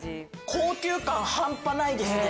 高級感半端ないですね。